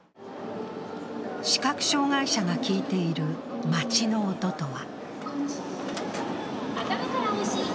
視覚障害者が聞いている街の音とは？